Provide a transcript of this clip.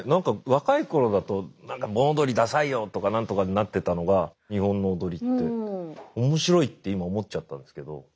若い頃だと何か盆踊りダサいよとか何とかになってたのが日本の踊りって面白いって今思っちゃったんですけど。